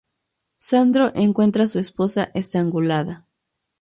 Sandro encuentra a su esposa estrangulada.